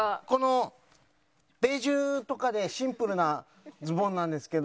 このベージュとかでシンプルなズボンなんですけど。